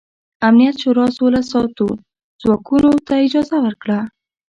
امنیت شورا سوله ساتو ځواکونو ته اجازه ورکړه.